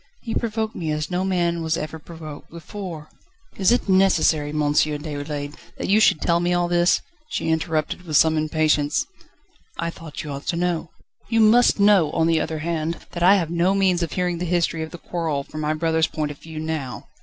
He provoked me as no man was ever provoked before ..." "Is it necessary, M. Déroulède, that you should tell me all this?" she interrupted him with some impatience. "I thought you ought to know." "You must know, on the other hand, that I have no means of hearing the history of the quarrel from my brother's point of view now."